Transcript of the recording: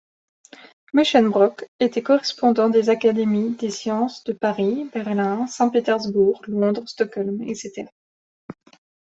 Musschenbroek était correspondant des académies des sciences de Paris, Berlin, Saint-Pétersbourg, Londres, Stockholm etc.